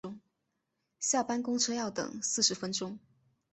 下班公车要等四十分钟